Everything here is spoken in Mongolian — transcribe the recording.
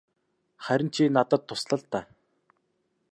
Харин чи надад тусал л даа.